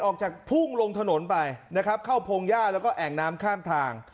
พุ่งลงถนนไปนะครับเข้าพงหญ้าแล้วก็แอ่งน้ำข้ามทาง